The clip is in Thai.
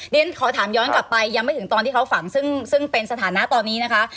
เรียนขอถามย้อนกลับไปยังไม่ถึงตอนที่เขาฝังซึ่งเป็นสถานะตอนนี้นะคะ